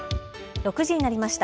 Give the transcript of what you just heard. ６時になりました。